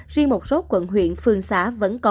riêng một số quận huyện phương xã vẫn còn